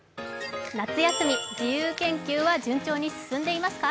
夏休み、自由研究は順調に進んでいますか？